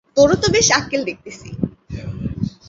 তোরও তো বেশ আক্কেল দেখিতেছি।